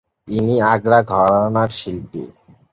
ইনি আগ্রা ঘরানার শিল্পী।